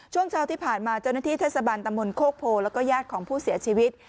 ช่วงเช้าที่ผ่านมาเจ้าหน้าที่เทศบาลตำบลโคกโพแล้วก็ญาติของผู้เสียชีวิต